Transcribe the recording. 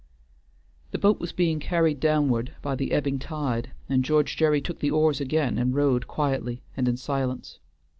The boat was being carried downward by the ebbing tide, and George Gerry took the oars again, and rowed quietly and in silence.